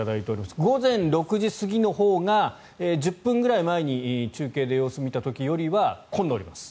午前６時過ぎのほうが１０分くらい前に中継で様子を見た時よりは混んでおります。